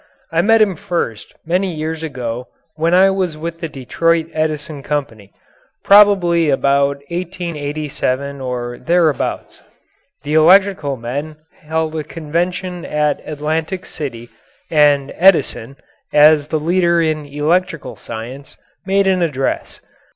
I met him first many years ago when I was with the Detroit Edison Company probably about 1887 or thereabouts. The electrical men held a convention at Atlantic City, and Edison, as the leader in electrical science, made an address.